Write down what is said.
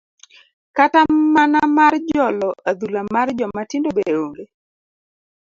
kata mana mar jolo adhula mar joma tindo be onge?